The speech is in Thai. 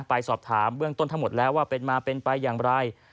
ไปสอบถามเบื้องต้นทั้งหมดแล้วว่าเป็นมาเป็นไปอย่างไร